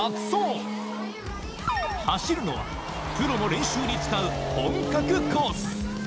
走るのはプロも練習に使う本格コース